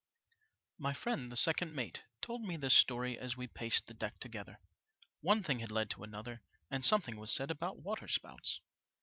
My friend, the second mate, told me this story as we paced the deck together. One thing had led to another, and something was said about waterspouts.